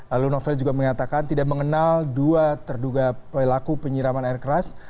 lalu novel juga mengatakan tidak mengenal dua terduga pelaku penyiraman air keras